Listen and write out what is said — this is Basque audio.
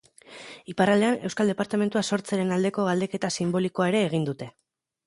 Iparraldean euskal departamentua sortzearen aldeko galdeketa sinbolikoa ere egin dute.